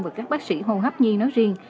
và các bác sĩ hôn hấp nhiên nói riêng